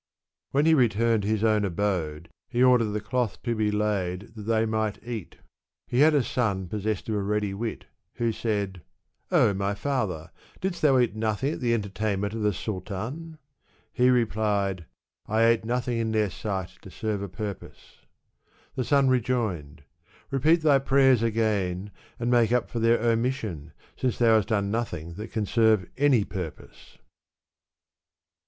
When he returned to his own abode he ordered the cloth to be laid that they might eat. He had a son possessed of a ready wit, who said, O my &ther ! didst thou eat nothing at the entertainment of the Sultan? " He replied, '' I ate nothing in their sight to serve a purpose." The son rejoined, "Repeat thy prayers again, and make up for their omission, since thou hast done nothing that can serve any purpose."